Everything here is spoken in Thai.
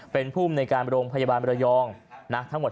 เป็นผู้ในการบรมพยาบาลระยองทั้งหมด